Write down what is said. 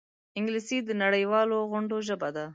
انګلیسي د نړيوالو غونډو ژبه ده